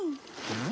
うん？